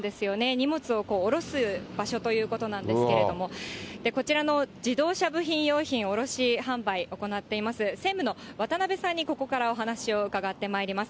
荷物を降ろす場所ということなんですけれども、こちらの自動車部品用品卸販売行っています、専務の渡辺さんにここからお話を伺ってまいります。